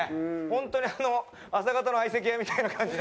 本当に朝方の相席屋みたいな感じに。